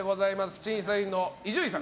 審査員の伊集院さん